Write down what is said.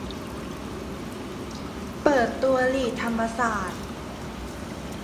เปิดตัวลีดธรรมศาสตร์